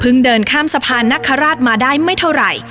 เดินข้ามสะพานนคราชมาได้ไม่เท่าไหร่